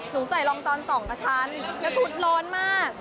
หนูใส่ลองจร๒ชั้นแล้วชุดร้อนมาก